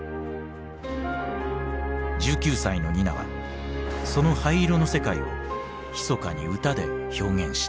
１９歳のニナはその灰色の世界をひそかに歌で表現した。